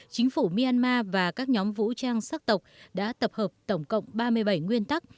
chính phủ myanmar và các nhóm vũ trang sắc tộc đã tập hợp tổng cộng ba mươi bảy nguyên tắc